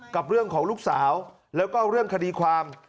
กับเรื่องของลูกสาวแล้วก็เรื่องคดีความ